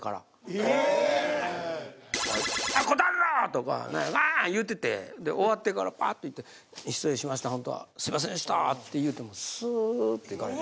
ええっ！とか何やうわっ言うてて終わってからパッと行って「失礼しました。ほんとすみませんでした！」って言うてもスーッと行かれて。